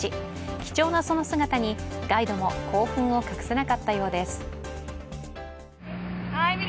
貴重なその姿にガイドも興奮を隠せなかったようです。